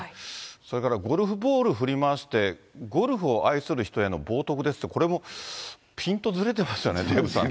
それからゴルフボール振り回してゴルフを愛する人への冒とくですと、これもピントずれてますよね、デーブさんね。